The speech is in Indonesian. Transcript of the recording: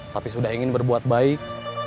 tapi sudah ingin berbuat baik